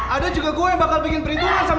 ada juga gue yang bakal bikin perhitungan sama